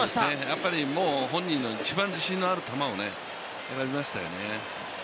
やっぱり本人の一番自信のある球を選びましたよね。